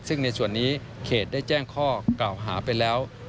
ซึ่งในส่วนนี้เขตได้แจ้งข้อกล่าวหาไปแล้ว